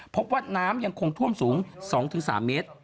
พบว่าน้ำยังคงท่วมสูง๒๓เมตร